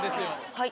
はい！